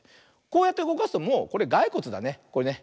こうやってうごかすともうこれガイコツだねこれね。